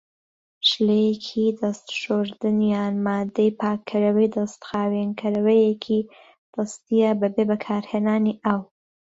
شلەیەکی دەست شۆردن یان مادەی پاکەرەوەی دەست خاوێنکەرەوەیەکی دەستیە بەبێ بەکارهێنانی ئاو.